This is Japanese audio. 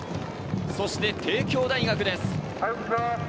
そして帝京大学です。